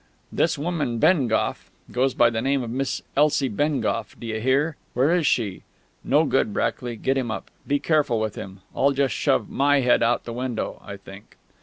"This woman Bengough... goes by the name of Miss Elsie Bengough... d'ye hear? Where is she?... No good, Brackley; get him up; be careful with him; I'll just shove my head out of the window, I think...."